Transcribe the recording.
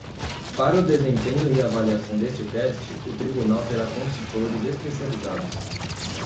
Para o desempenho e avaliação deste teste, o Tribunal terá consultores especializados.